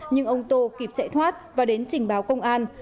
nhưng ông tô kịp chạy thoát và đến trình báo công an